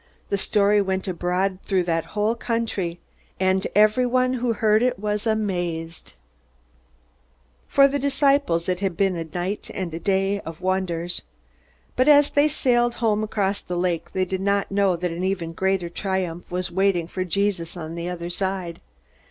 The story went abroad through that whole country, and everyone who heard it was amazed. For the disciples it had been a night and day of wonders. But as they sailed home across the lake they did not know that an even greater triumph was waiting for Jesus on the other side.